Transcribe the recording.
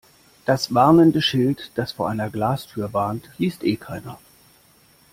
Das warnende Schild, das vor einer Glastür warnt, liest eh keiner.